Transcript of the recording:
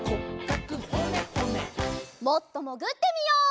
もっともぐってみよう。